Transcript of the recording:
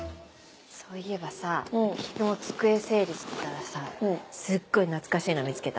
そういえばさ昨日机整理してたらさすっごい懐かしいの見つけた。